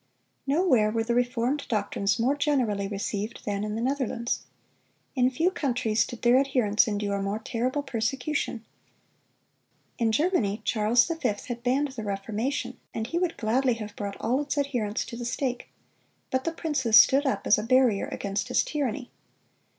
Nowhere were the reformed doctrines more generally received than in the Netherlands. In few countries did their adherents endure more terrible persecution. In Germany Charles V. had banned the Reformation, and he would gladly have brought all its adherents to the stake; but the princes stood up as a barrier against his tyranny.